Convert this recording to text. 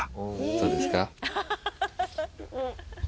どうですか？